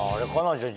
じゃあ。